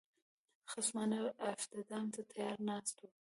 خصمانه افدام ته تیار ناست وو.